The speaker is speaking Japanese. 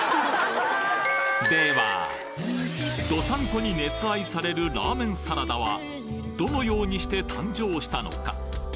道産子に熱愛されるラーメンサラダはどのようにして誕生したのか？